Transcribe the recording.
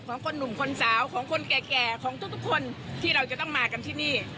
ของคนหนุ่มคนสาวของคนแก่ของทุกคนที่เราจะต้องมากันที่นี่